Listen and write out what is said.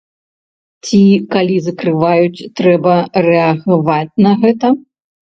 Ці, калі закрываюць, трэба рэагаваць на гэта.